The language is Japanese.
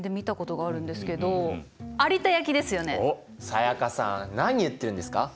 才加さん何言ってるんですか。